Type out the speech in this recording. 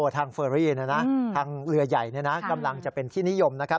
ทางเฟอร์รี่เนี่ยนะทางเรือใหญ่เนี่ยนะกำลังจะเป็นที่นิยมนะครับ